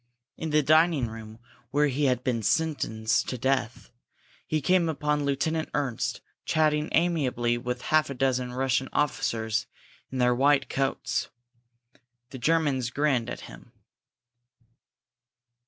In the dining room where he had been sentenced to death, he came upon Lieutenant Ernst, chatting amiably with half a dozen Russian officers in their white coats. The German grinned at him.